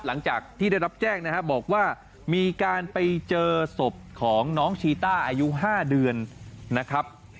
หลังจากที่ได้รับแจ้งนะครับบอกว่ามีการไปเจอศพของน้องชีต้าอายุ๕เดือนนะครับ